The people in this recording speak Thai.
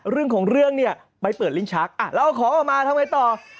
ลูกสาวไปเปิดลิงชักเข้ามาทำไมต่อ